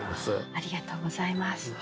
ありがとうございます。